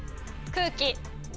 空気。